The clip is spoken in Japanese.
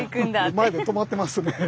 前でとまってますね。